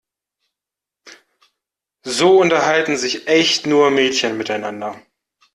So unterhalten sich echt nur Mädchen miteinander.